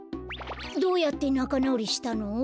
どうやってなかなおりしたの？